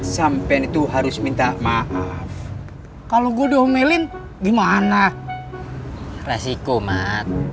sampen itu harus minta maaf kalau gua dah melin gimana resiko maat